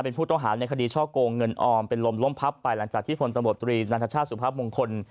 เป็นผู้ต้องหาในคดีช่อกงเงินออมเป็นลมล้มพับไปหลังจากที่พลตำรวจตรีนันทชาติสุภาพมงคล